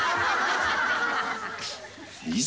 いざ。